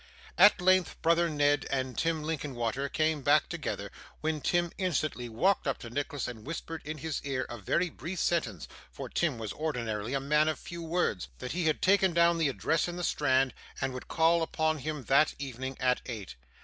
At length brother Ned and Tim Linkinwater came back together, when Tim instantly walked up to Nicholas and whispered in his ear in a very brief sentence (for Tim was ordinarily a man of few words), that he had taken down the address in the Strand, and would call upon him that evening, at eight.